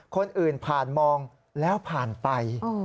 คนอื่นผ่านมองแล้วผ่านไป